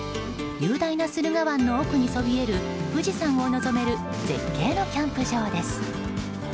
雄大な駿河湾の奥にそびえる富士山を望める絶景のキャンプ場です。